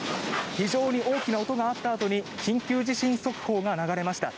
非常に大きな音があったあとに緊急地震速報が流れました。